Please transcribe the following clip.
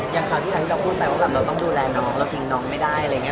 อย่างคราวที่เราพูดไปว่าเราต้องดูแลน้องเราทิ้งน้องไม่ได้อะไรอย่างเงี้ย